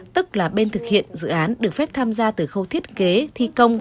tức là bên thực hiện dự án được phép tham gia từ khâu thiết kế thi công